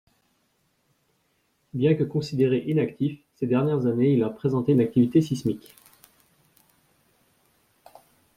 Bien que considéré inactif, ces dernières années il a présenté une activité sismique.